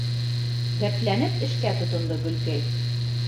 Дәртләнеп эшкә тотондо Гөлкәй.